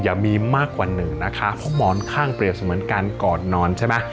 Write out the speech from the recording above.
อย่ามีมากกว่าหนึ่งนะคะเพราะหมอนข้างเปรียบเสมือนการก่อนนอนใช่ไหม